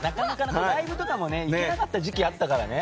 ライブとかも行けなかった時期があったからね。